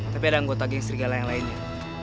tapi ada anggota geng serigala yang lainnya